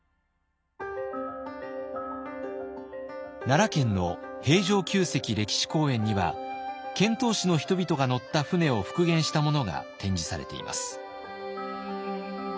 奈良県の平城宮跡歴史公園には遣唐使の人々が乗った船を復元したものが展示されています。